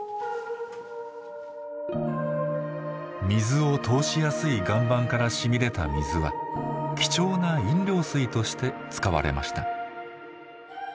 水を通しやすい岩盤からしみ出た水は貴重な飲料水として使われました。